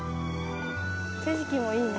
景色もいいね。